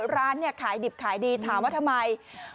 ร้านเนี่ยขายดิบขายดีถามว่าทำไม